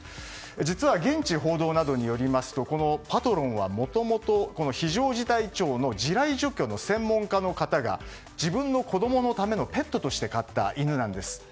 実は現地報道などによりますとパトロンはもともと非常事態庁の地雷除去の専門家の方が自分の子供のためのペットとして飼った犬なんです。